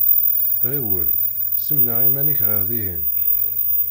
Ɣiwel, ssemneɛ iman-ik ɣer dihin.